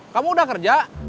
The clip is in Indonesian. kamu udah kerja